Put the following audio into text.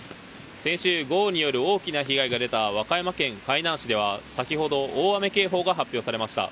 先週、豪雨による大きな被害が出た和歌山県海南市では先ほど大雨警報が発表されました。